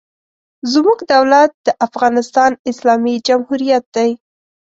زموږ دولت د افغانستان اسلامي جمهوریت دی.